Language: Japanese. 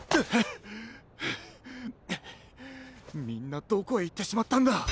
みんなどこへいってしまったんだ。